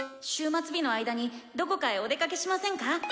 終末日の間にどこかへお出かけしませんか？